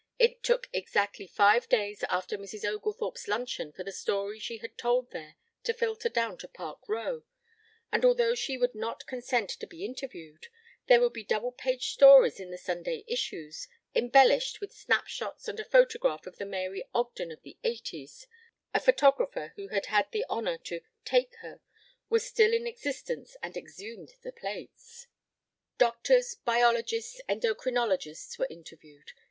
It took exactly five days after Mrs. Oglethorpe's luncheon for the story she had told there to filter down to Park Row, and although she would not consent to be interviewed, there were double page stories in the Sunday issues, embellished with snapshots and a photograph of the Mary Ogden of the eighties: a photographer who had had the honor to "take" her was still in existence and exhumed the plates. Doctors, biologists, endocrinologists, were interviewed.